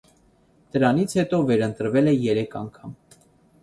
Դրանից հետո վերընտրվել է երեք անգամ։